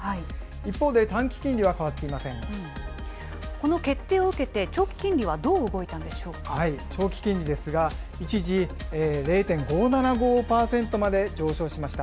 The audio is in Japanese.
一方で、短期金利は変わっていまこの決定を受けて、長期金利長期金利ですが、一時、０．５７５％まで上昇しました。